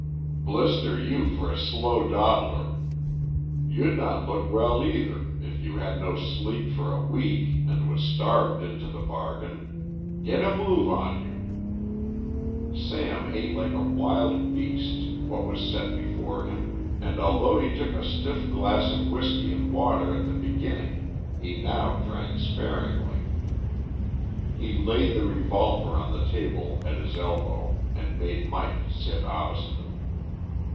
"Blister you for a slow dawdler, you'd not look well either, if you had no sleep for a week and was starved into the bargain. Get a move on you." Sam ate like a wild beast what was set before him, and although he took a stiff glass of whiskey and water at the beginning, he now drank sparingly. He laid the revolver on the table at his elbow, and made Mike sit opposite him.